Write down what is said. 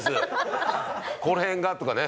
この辺がとかね。